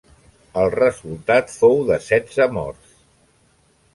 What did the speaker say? El resultat fou de setze morts.